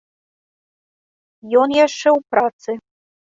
Ён яшчэ ў працы.